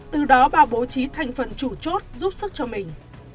từ đó bà bố trí thành phần chủ chốt giúp sức cho mình